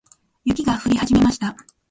雪が降り始めました。